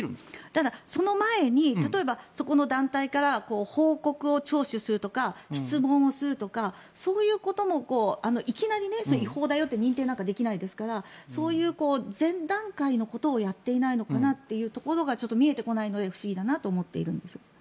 ただその前に例えば、そこの団体から報告を聴取するとか質問をするとかそういうこともいきなり違法だよと認定なんてできないですからそういう前段階のことをやっていないのかなというところがちょっと見えてこないので不思議だなと思っているんです。